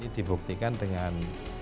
perang tu amat belilah perang